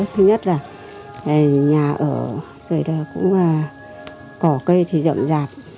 thứ nhất là nhà ở dưới đó cũng là cỏ cây thì rộng rạp